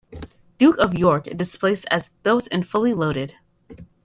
"Duke of York" displaced as built and fully loaded.